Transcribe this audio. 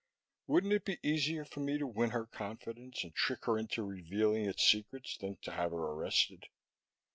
Wouldn't it be easier for me to win her confidence, and trick her into revealing its secrets, than to have her arrested?